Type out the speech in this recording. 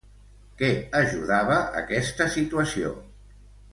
Què ajudava aquesta situació?